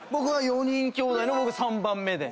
４人きょうだいの僕３番目で。